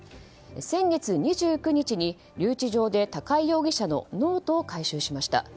先月２９日に留置場で高井容疑者のノートを回収しました。